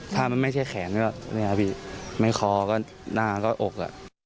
ถ้ามันไม่ใช่แขนไม่คอก็หน้าก็อก